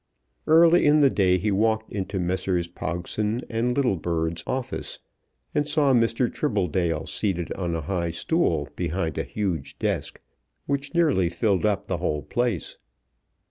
Early in the day he walked into Messrs. Pogson and Littlebird's office, and saw Mr. Tribbledale seated on a high stool behind a huge desk, which nearly filled up the whole place.